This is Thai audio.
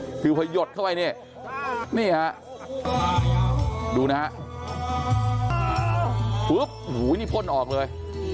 คือพอหยดเข้าไปนี่นี่ฮะดูนะฮะปุ๊บนี่พ่นออกเลย